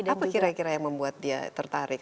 apa kira kira yang membuat dia tertarik